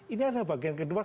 ini adalah bagian kedua